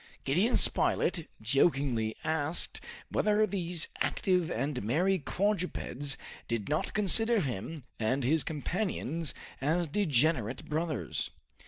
Gideon Spilett jokingly asked whether these active and merry quadrupeds did not consider him and his companions as degenerate brothers.